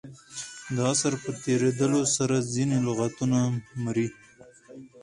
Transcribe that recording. د عصر په تېرېدلو سره ځیني لغتونه مري.